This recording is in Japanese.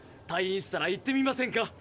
退院したら行ってみませんか？